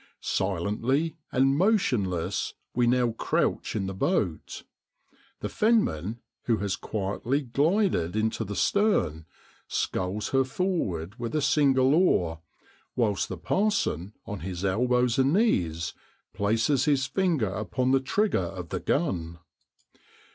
Silently and motionless we now crouch in the boat; the fenman, who has quietly glided into the stern, sculls her forward with a single oar, whilst the parson, on his elbows and knees, places his finger upon the trigger of the gun.